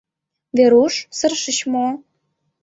— Веруш, сырышыч мо?